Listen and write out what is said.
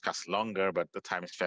kami ingin berbicara lebih lama